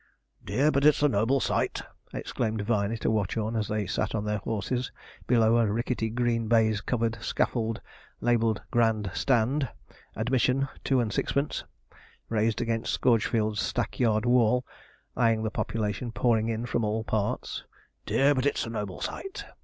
'Dear, but it's a noble sight!' exclaimed Viney to Watchorn as they sat on their horses, below a rickety green baize covered scaffold, labelled, 'GRAND STAND; admission, Two and sixpence,' raised against Scourgefield's stack yard wall, eyeing the population pouring in from all parts. 'Dear, but it's a noble sight!'